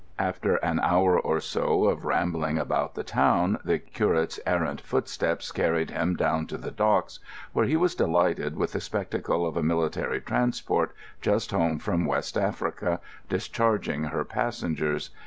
After an hour or so of rambling about the town, the curate's errant footsteps carried him down to the docks, where he was delighted with the spectacle of a military transport, just home from West Africa, discharging her passengers.